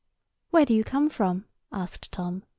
"Where do you come from?" asked Tom.